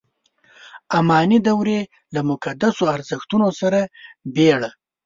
اماني دورې له مقدسو ارزښتونو سره بېړه.